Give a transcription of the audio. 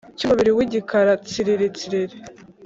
cy’umubiri w’igikara tsiritsiri